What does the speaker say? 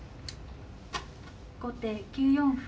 後手９四歩。